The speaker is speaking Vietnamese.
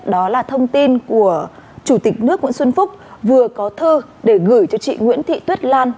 đó là thông tin của chủ tịch nước nguyễn xuân phúc vừa có thư để gửi cho chị nguyễn thị tuyết lan